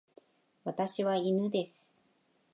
私は犬です。